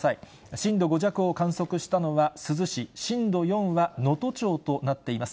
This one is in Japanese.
震度５弱を観測したのは珠洲市、震度４は能登町となっています。